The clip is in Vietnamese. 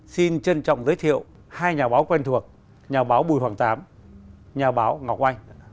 xin chân trọng giới thiệu hai nhà báo quen thuộc nhà báo bùi hoàng tám nhà báo ngọc oanh